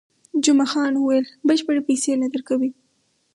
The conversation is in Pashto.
جمعه خان وویل، بشپړې پیسې نه درکوي.